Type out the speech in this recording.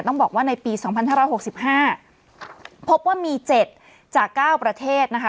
ต้องบอกว่าในปี๒๕๖๕พบว่ามี๗จาก๙ประเทศนะคะ